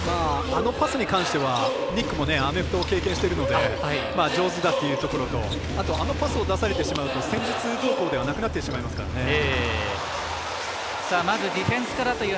あのパスに関してはニックもアメフトを経験してるので上手だというところとあとあのパスを出されてしまうと戦術どうこうではなくなってしまいますからね。